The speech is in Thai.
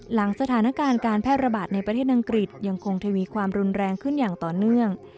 หลังสถานการณ์การแพร่ระบาดในประเทศอังกฤษยังคงทวีความรุนแรงขึ้นอย่างต่อเนื่อง